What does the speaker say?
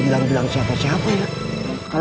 lepakah kisiapa ya